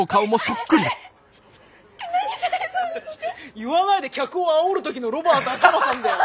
言わないで客をあおる時のロバート秋山さんだよ。